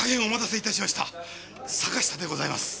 坂下でございます。